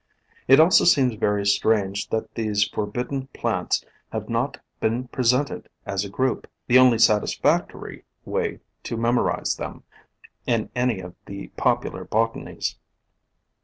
It also seems very strange that these forbidden plants have not been presented as a group, the only satisfactory way to memorize them, in any of the popular botanies.